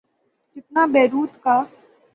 جتنا بیروت کا۔